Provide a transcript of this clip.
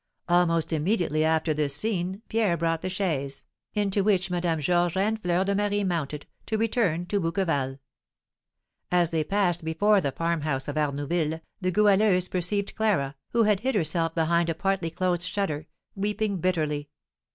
Almost immediately after this scene Pierre brought the chaise, into which Madame Georges and Fleur de Marie mounted, to return to Bouqueval. As they passed before the farmhouse of Arnouville, the Goualeuse perceived Clara, who had hid herself behind a partly closed shutter, weeping bitterly.